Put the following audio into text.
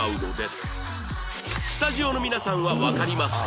スタジオの皆さんはわかりますか？